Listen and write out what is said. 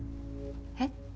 えっ？